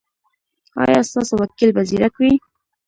ایا ستاسو وکیل به زیرک وي؟